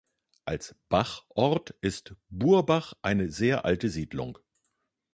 Als "-bach"-Ort ist Burbach eine sehr alte Siedlung.